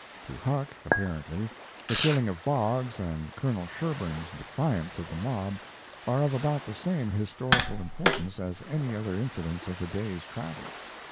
To Huck, apparently, the killing of Boggs and Colonel Sherburn's defiance of the mob are of about the same historical importance as any other incidents of the day's travel.